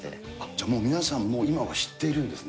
じゃ、もう皆さん、もう今は知っているんですね。